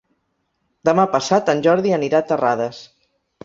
Demà passat en Jordi anirà a Terrades.